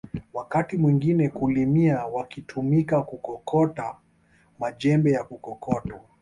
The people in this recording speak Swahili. Wakati mwingine kulimia wakitumika kukokota majembe ya kukokotwa